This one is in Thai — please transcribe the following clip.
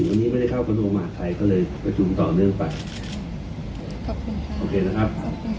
วันนี้ไม่ได้เข้ากระโนมัติใครก็เลยประชุมต่อเรื่องไปขอบคุณค่ะโอเคนะครับ